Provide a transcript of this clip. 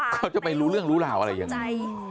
เขาจะไปรู้เรื่องรู้ราวอะไรยังไง